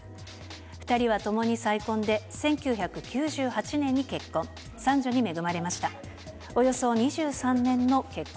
２人はともに再婚で、１９９８年に結婚。